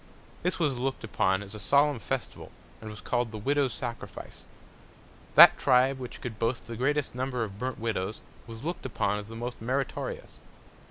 This was look'd upon as a solemn Festival, and was call'd the Widow's Sacrifice. That Tribe which could boast of the greatest Number of burnt Widows, was look'd upon as the most meritorious.